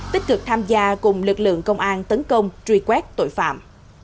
tích cực tham gia cùng lực lượng công an tấn công truy quét tội phạm